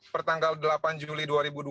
pertanggal delapan juli dua ribu dua puluh